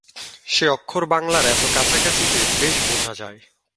সে অক্ষর বাঙলার এত কাছাকাছি যে, বেশ বোঝা যায়।